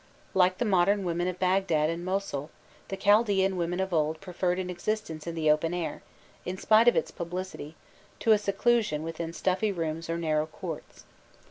Like the modern women of Bagdad and Mosul, the Chaldaean women of old preferred an existence in the open air, in spite of its publicity, to a seclusion within stuffy rooms or narrow courts.